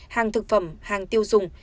hàng thực phẩm hàng tiêu dùng